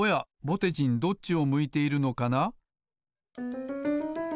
ぼてじんどっちを向いているのかな？